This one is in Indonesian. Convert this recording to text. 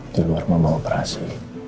di luar mama operasi